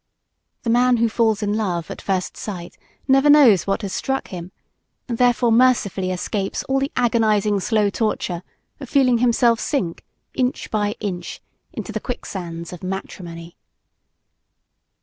The man who falls in love at first sight never knows what has struck him, and therefore mercifully escapes all the agonizing slow torture of feeling himself sink, inch by inch, into the quicksands of matrimony.